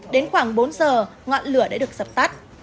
đến khoảng bốn giờ ngọn lửa đã được dập tắt